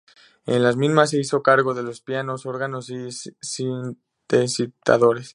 En la misma se hizo cargo de los pianos, órganos y sintetizadores.